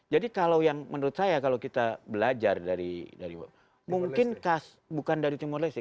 jadi kalau yang menurut saya kalau kita belajar dari mungkin khas bukan dari timur leste